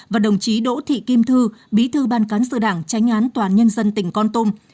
và đồng chí đỗ thị kim thư bí thư ban cán sự đảng tránh án tòa án nhân dân tỉnh con tôm